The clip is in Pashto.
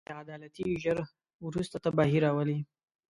بې عدالتي ژر یا وروسته تباهي راولي.